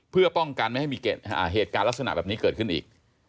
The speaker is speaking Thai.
เพื่อป้องกันไม่ให้มีเหตุการณ์ลักษณะแบบนี้เกิดขึ้นอีก